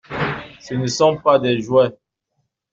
Ce ne sont pas des jouets!